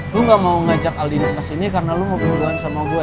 lo gak mau ngajak aldino kesini karena lo mau perubahan sama gue ya